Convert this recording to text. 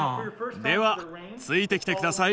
ではついてきてください。